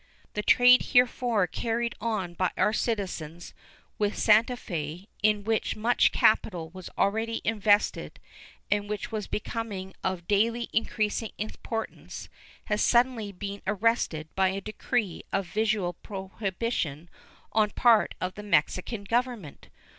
The trade heretofore carried on by our citizens with Santa Fe, in which much capital was already invested and which was becoming of daily increasing importance, has suddenly been arrested by a decree of virtual prohibition on the part of the Mexican Government.